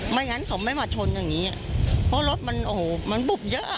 ไม่งั้นเขาไม่มาชนอย่างนี้เพราะรถมันโอ้โหมันบุบเยอะอ่ะ